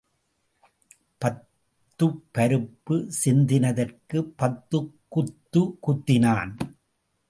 பத்து பருப்பு சிந்தினதற்கு பத்து குத்து குத்தினான்.